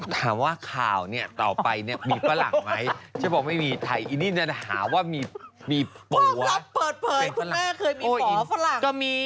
พวกเราเปิดเผยคุณแม่เคยมีหม่อฝรั่ง